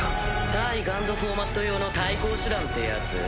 対ＧＵＮＤフォーマット用の対抗手段ってやつ？